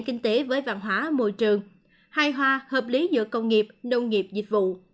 kinh tế với văn hóa môi trường hài hòa hợp lý giữa công nghiệp nông nghiệp dịch vụ